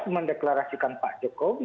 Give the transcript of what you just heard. mendeklarasikan pak jokowi